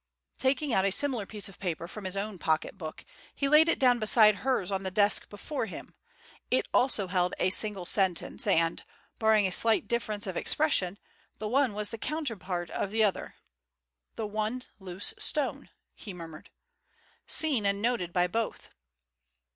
Taking out a similar piece of paper from his own pocket book, he laid it down beside hers on the desk before him. It also held a single sentence and, barring a slight difference of expression, the one was the counterpart of the other. "The one loose stone," he murmured. "Seen and noted by both."